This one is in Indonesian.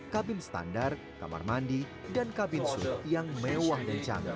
kabin standar kamar mandi dan kabin su yang mewah dan canggih